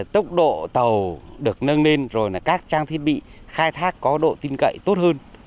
tốc độ tàu được nâng lên rồi là các trang thiết bị khai thác có độ tin cậy tốt hơn